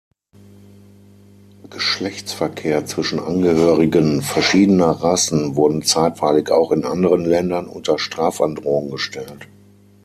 Geschlechtsverkehr zwischen Angehörigen verschiedener „Rassen“ wurde zeitweilig auch in anderen Ländern unter Strafandrohung gestellt.